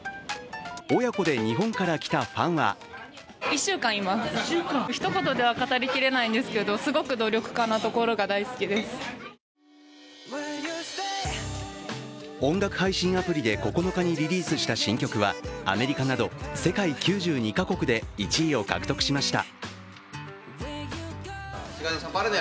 親子で日本から来たファンは音楽配信アプリで９日にリリースした新曲はアメリカなど世界９２か国で１位を獲得しました。